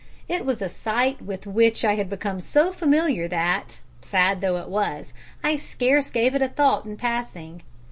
It was a sight with which I had become so familiar that, sad though it was, I scarce gave it a thought in passing.